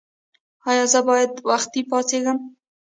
ایا زه باید وختي پاڅیږم؟